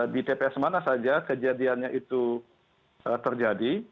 di tps mana saja kejadiannya itu terjadi